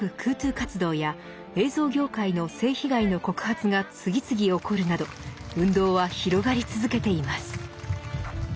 活動や映像業界の性被害の告発が次々起こるなど運動は広がり続けています。